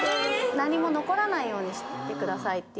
何も残らないようにしてくださいっていう。